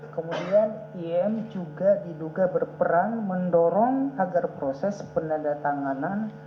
kemudian im juga diduga berperan mendorong agar proses penandatanganan